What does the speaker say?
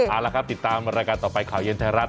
เอาละครับติดตามรายการต่อไปข่าวเย็นไทยรัฐ